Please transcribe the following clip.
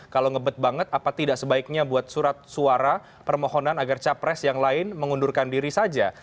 kalau ngebet banget apa tidak sebaiknya buat surat suara permohonan agar capres yang lain mengundurkan diri saja